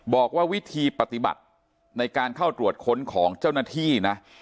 บอกว่าวิธีปฏิบัติในการเข้าตรวจค้นของเจ้าหน้าที่นะ